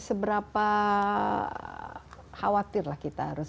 seberapa khawatir lah kita harus